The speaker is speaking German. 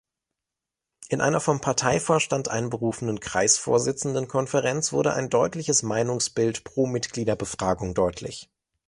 In einer vom Parteivorstand einberufenen Kreisvorsitzendenkonferenz wurde ein deutliches Meinungsbild pro Mitgliederbefragung deutlich.